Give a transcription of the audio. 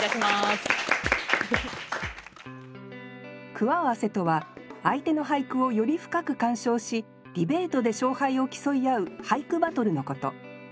句合わせとは相手の俳句をより深く鑑賞しディベートで勝敗を競い合う俳句バトルのこと。